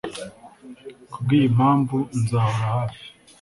Kubw'iyi mpamvu nzahora hafi